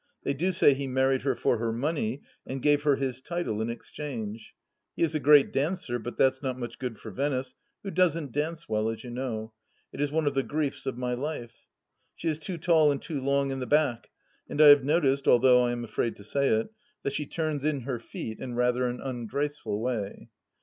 They do say he married her for her money, and gave her his title in exchange. He is a great dancer, but that's not much good for Venice, who doesn't dance well, as you know ; it is one of the griefs of my life. She is too tall and too long in the back; and I have noticed, although I am afraid to say it, that she turns in her feet in rather an ungraceful way.